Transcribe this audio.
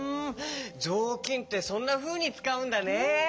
ぞうきんってそんなふうにつかうんだね。